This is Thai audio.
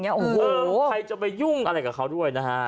อยู่อยู่ใครจะไปยุ่งอะไรกับเขาด้วย